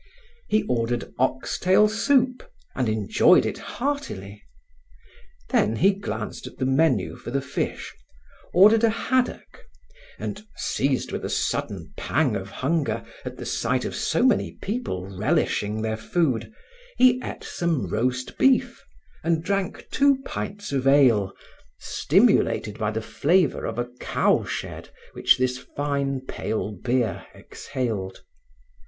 He ordered oxtail soup and enjoyed it heartily. Then he glanced at the menu for the fish, ordered a haddock and, seized with a sudden pang of hunger at the sight of so many people relishing their food, he ate some roast beef and drank two pints of ale, stimulated by the flavor of a cow shed which this fine, pale beer exhaled.